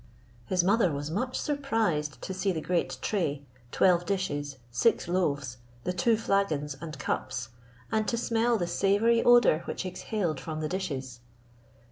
His mother was much surprised to see the great tray, twelve dishes, six loaves, the two flagons and cups, and to smell the savoury odour which exhaled from the dishes.